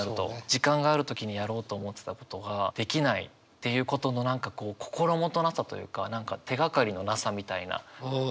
時間がある時にやろうと思ってたことができないっていうことの何かこう心もとなさというか手がかりのなさみたいな。